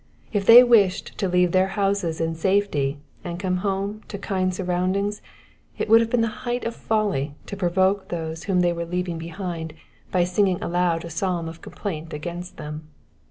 If they wished to leave their houses in safely, and to come home to kwd surnund ings, U would have been the height qffoUy to provoke those whom they were leaving b^dnd by singiruf aloud a psalm cf complaint against them.